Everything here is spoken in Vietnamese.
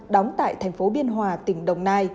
đóng tại thành phố biên hòa tỉnh đồng nai